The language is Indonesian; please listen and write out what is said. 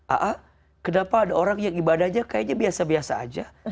aa kenapa ada orang yang ibadahnya kayaknya biasa biasa aja